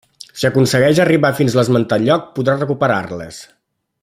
Si aconsegueix arribar fins a l'esmentat lloc, podrà recuperar-les.